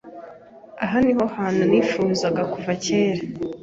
Aha niho hantu nifuzaga kuva kera.